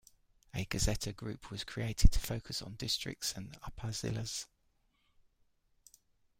A gazetteer group was created to focus on districts and upazilas.